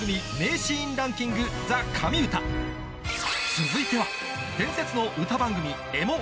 続いては